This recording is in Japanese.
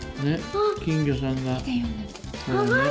ねっ金魚さんが。